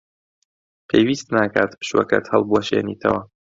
پێویست ناکات پشووەکەت هەڵبوەشێنیتەوە.